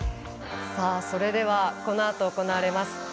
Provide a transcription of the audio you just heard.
それではこのあと行われます